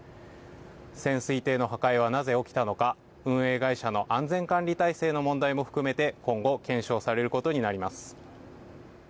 潜水艇の破壊はなぜ起きたのか、運営会社の安全管理体制の問題も含めて、今後、検証されることになります。